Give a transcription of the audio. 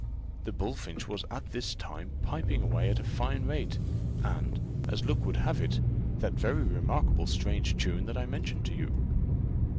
The bullfinch was at this time piping away at a fine rate, and, as luck would have it, that very remarkable strange tune that I mentioned to you.